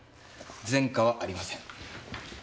前科はありません。